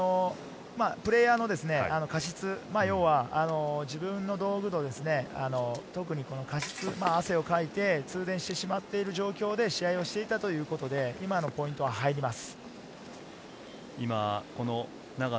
プレーヤーの過失、自分の道具、特に汗をかいて通電してしまっている状況で試合をしていたということで、今のポイントは入ります。